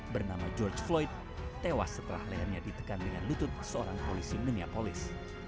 bernama george floyd tewas setelah lehernya ditekan dengan lutut seorang polisi miniapolis